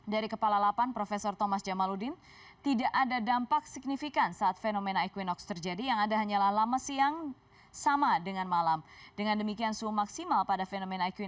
dari kepala lapan prof thomas jamaludin tidak ada dampak signifikan saat fenomena